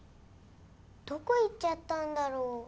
どこ行っちゃったんだろう？